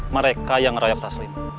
mereka yang merayap taslim